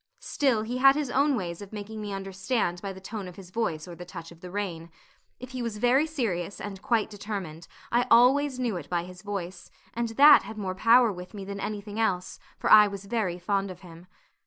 Still, he had his own ways of making me understand by the tone of his voice or the touch of the rein. If he was very serious and quite determined, I always knew it by his voice, and that had more power with me than anything else, for I was very fond of him.